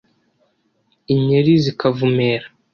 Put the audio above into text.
inyeli zikavumera,